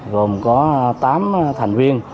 gồm có tám thành viên